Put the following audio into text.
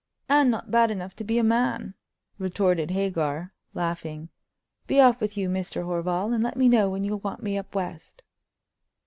"And not bad enough to be a man," retorted Hagar, laughing. "Be off with you, Mr. Horval, and let me know when you want me up West."